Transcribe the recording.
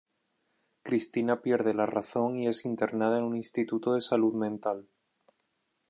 Cristina pierde la razón y es internada en un instituto de salud mental.